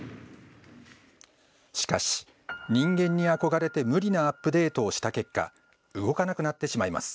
しかし、ニンゲンに憧れて無理なアップデートをした結果動かなくなってしまいます。